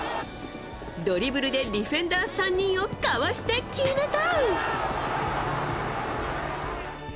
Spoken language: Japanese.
ドリブルでディフェンダー３人をかわして決めた！